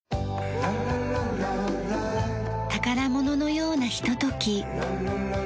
宝物のようなひととき。